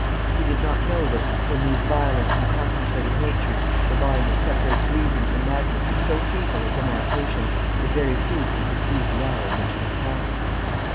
He did not know that in these violent and concentrative natures the line that separates reason from madness is so feeble a demarcation, that very few can perceive the hour in which it is passed.